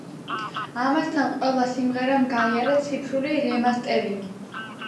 ამასთან, ყველა სიმღერამ გაიარა ციფრული რემასტერინგი.